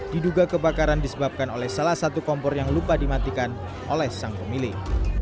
diduga kebakaran disebabkan oleh salah satu kompor yang lupa dimatikan oleh sang pemilik